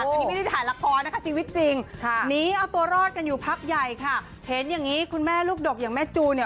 อันนี้ไม่ได้ถ่ายละครนะคะชีวิตจริงค่ะหนีเอาตัวรอดกันอยู่พักใหญ่ค่ะเห็นอย่างงี้คุณแม่ลูกดกอย่างแม่จูเนี่ย